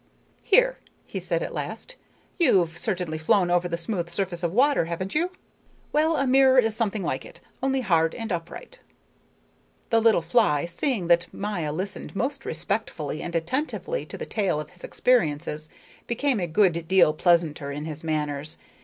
"Here," he said at last, "you've certainly flown over the smooth surface of water, haven't you? Well, a mirror is something like it, only hard and upright." The little fly, seeing that Maya listened most respectfully and attentively to the tale of his experiences, became a good deal pleasanter in his manners.